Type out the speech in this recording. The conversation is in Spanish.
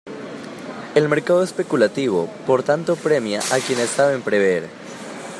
El mercado especulativo por tanto premia a quienes saben prever.